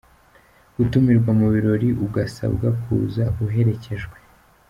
Gutumirwa mu birori ugasabwa kuza uherekejwe.